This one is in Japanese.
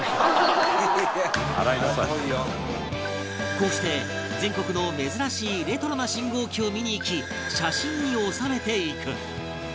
こうして全国の珍しいレトロな信号機を見に行き写真に収めていく